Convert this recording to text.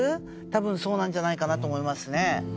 多分そうなんじゃないかなと思いますね。